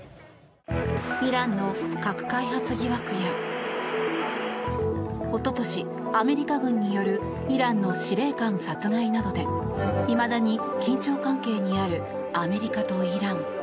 イランの核開発疑惑やおととし、アメリカ軍によるイランの司令官殺害などでいまだに緊張関係にあるアメリカとイラン。